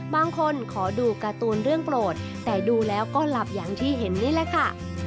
ขอดูการ์ตูนเรื่องโปรดแต่ดูแล้วก็หลับอย่างที่เห็นนี่แหละค่ะ